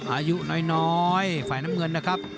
อายุน้อยฝ่ายน้ำเงินนะครับ